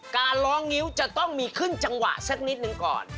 การร้องงิ้วจะต้องมีขึ้นจังหวะสักนิดหนึ่งก่อน